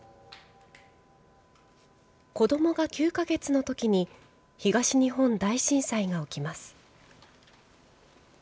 子どもが９か月のときに、東日本大震災が起きます。